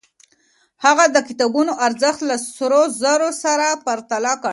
هغه د کتابونو ارزښت له سرو زرو سره پرتله کړ.